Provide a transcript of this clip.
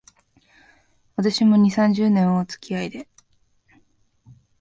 私も、二、三十年前は、おつきあいで